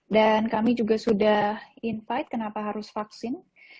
dan kami juga sudah invite kenapa harus vaksin